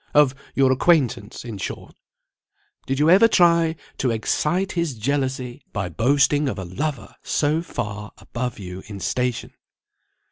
of your acquaintance, in short? Did you ever try to excite his jealousy by boasting of a lover so far above you in station?"